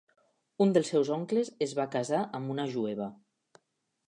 Un dels seus oncles es va casar amb una jueva.